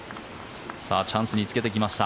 チャンスにつけてきました。